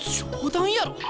冗談やろ？